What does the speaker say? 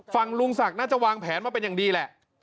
ลุงศักดิ์น่าจะวางแผนมาเป็นอย่างดีแหละ